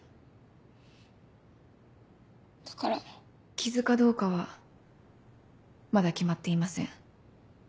傷かどうかはまだ決まっていません。